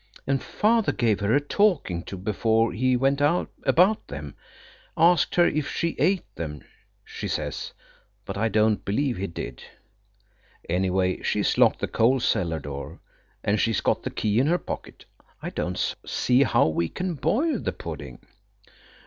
And Father gave her a talking to before he went about them–asked her if she ate them, she says–but I don't believe he did. Anyway, she's locked the coal cellar door, and she's got the key in her pocket. I don't see how we can boil the pudding."